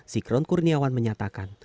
sikron kurniawan menyatakan